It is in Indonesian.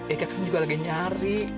ica kan juga lagi nyari